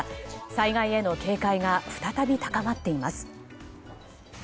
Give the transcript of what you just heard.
災害への警戒が再び高まっています。